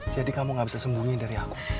jadi kamu gak bisa sembunyi dari aku